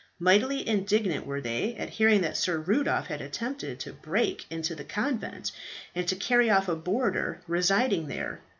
Mightily indignant were they at hearing that Sir Rudolph had attempted to break into the convent, and to carry off a boarder residing there.